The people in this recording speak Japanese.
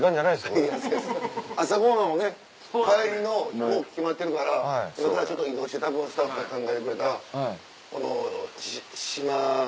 朝ごはんをね帰りの飛行機決まってるからこれからちょっと移動してたぶんスタッフが考えてくれた。